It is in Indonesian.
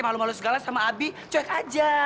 malu malu segala sama abi cuek aja